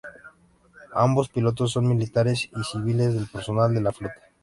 Ambos pilotos son militares y civiles del personal de la flota.